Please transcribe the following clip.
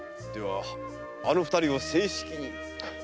ではあの二人を正式に？